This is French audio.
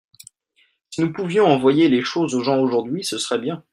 si nous pouvions envoyer les choses aux gens aujourd'hui ce serait bien.